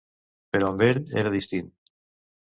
Però amb ell era distint.